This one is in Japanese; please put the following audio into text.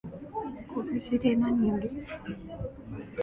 ご無事でなにより